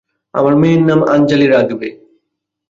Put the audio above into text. আমার মেয়ের নাম আঞ্জালি রাখবে।